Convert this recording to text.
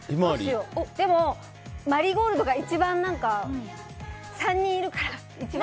でもマリーゴールドが一番３人いるから。